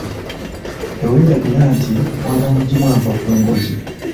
Teweelabira nti mwana mugimu ava ku ngozi.